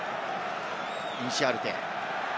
インシアルテ。